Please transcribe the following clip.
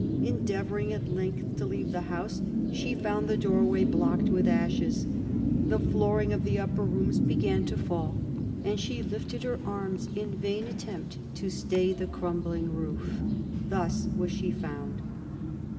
Endeavoring at length to leave the house, she found the doorway blocked with ashes. The flooring of the upper rooms began to fall, and she lifted her arms in vain attempt to stay the crumbling roof. Thus was she found.